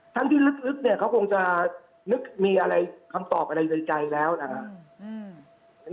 ทั้งที่ลึกเนี่ยเขาคงจะนึกมีอะไรคำตอบอะไรในใจแล้วนะครับ